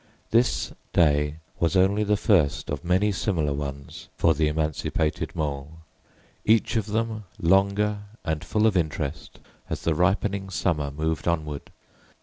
This day was only the first of many similar ones for the emancipated Mole, each of them longer and full of interest as the ripening summer moved onward.